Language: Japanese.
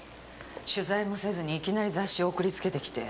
取材もせずにいきなり雑誌を送りつけてきて。